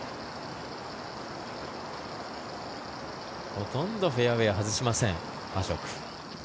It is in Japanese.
ほとんどフェアウェーを外しません、アショク。